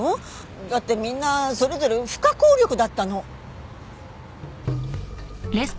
だってみんなそれぞれ不可抗力だったの。